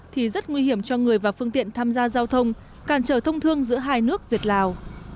thì rất nguy hiểm cho người và phương tiện tham gia giao thông càn trở thông thương giữa hai nước việt lào